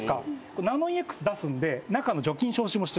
これナノイーＸ出すんで中の除菌消臭もしてくれる。